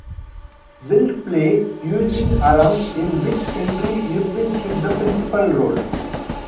Wills's play "Eugene Aram", in which Henry Irving took the principal role.